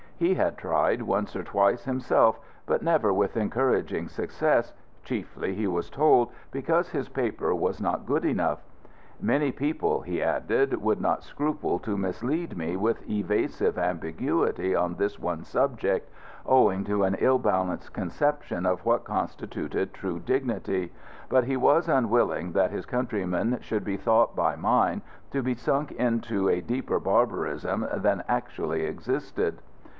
He had tried once or twice himself, but never with encouraging success, chiefly, he was told, because his paper was not good enough. Many people, he added, would not scruple to mislead me with evasive ambiguity on this one subject owing to an ill balanced conception of what constituted true dignity, but he was unwilling that his countrymen should be thought by mine to be sunk into a deeper barbarism than actually existed.